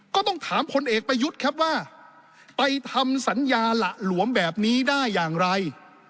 ก็ต้องถามพลเอกประยุทธ์ครับว่าไปทำสัญญาหละหลวมแบบนี้ได้อย่างไร